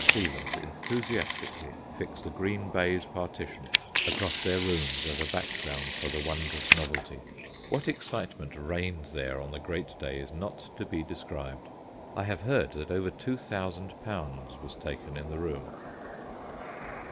Stevens enthusiastically fixed a green baize partition across their rooms as a background for the wondrous novelty. What excitement reigned there on the great day is not to be described. I have heard that over 2000l. was taken in the room.